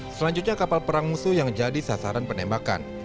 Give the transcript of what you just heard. selanjutnya kapal perang musuh yang jadi sasaran penembakan